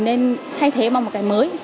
nên thay thế bằng một cái mới